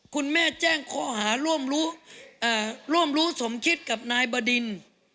คุณแม่แจ้งข้อหาร่วมรู้สมคิดกับนายบดิน